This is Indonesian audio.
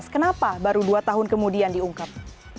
kenapa baru dua tahun kemudian diungkap